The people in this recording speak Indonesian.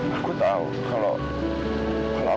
saya akan mencintai